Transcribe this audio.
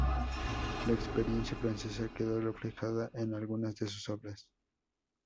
La experiencia francesa quedó reflejada en algunas de sus obras.